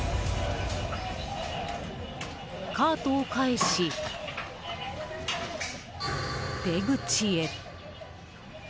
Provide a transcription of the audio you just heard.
カートを返し、出口へ。